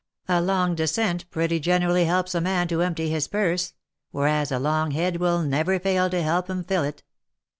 A long descent pretty generally helps a man to empty his purse, whereas a long head will never fail to help him fill it.